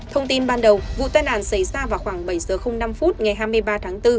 thông tin ban đầu vụ tai nạn xảy ra vào khoảng bảy giờ năm phút ngày hai mươi ba tháng bốn